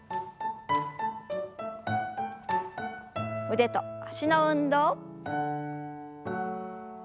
腕と脚の運動。